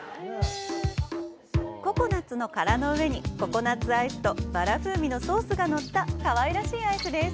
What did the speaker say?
ココナッツの殻の上にココナッツアイスとバラ風味のソースがのったかわいらしいアイスです。